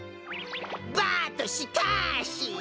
バットしかし。